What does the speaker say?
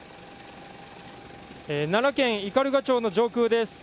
奈良県斑鳩町の上空です。